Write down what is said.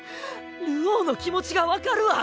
流鶯の気持ちが分かるわ。